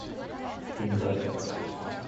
めんどい